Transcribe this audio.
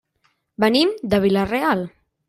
Venim de Vila-real.